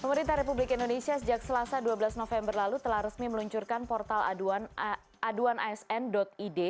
pemerintah republik indonesia sejak selasa dua belas november lalu telah resmi meluncurkan portal aduan asn id